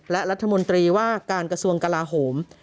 และรัฐมนตรีว่าการกระทรวงกลาโหม